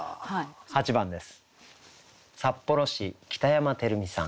８番です。